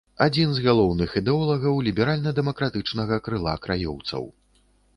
Адзін з галоўных ідэолагаў ліберальна-дэмакратычнага крыла краёўцаў.